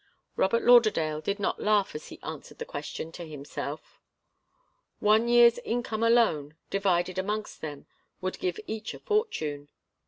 Robert Lauderdale did not laugh as he answered the question to himself. One year's income alone, divided amongst them, would give each a fortune.